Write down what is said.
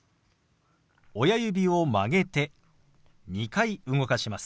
親指を曲げて２回動かします。